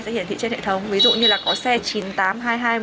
sau khi xe sẽ đi qua biên phòng xác nhận ạ